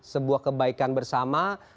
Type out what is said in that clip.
sebuah kebaikan bersama